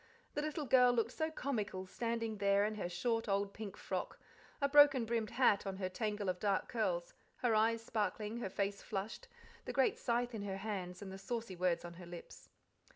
The little girl looked so comical, standing there in her short old pink frock, a broken brimmed hat on her tangle of dark curls, her eyes sparkling, her face flushed, the great scythe in her hands, and the saucy words on her lips.